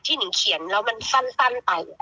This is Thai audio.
หนิงเขียนแล้วมันสั้นไป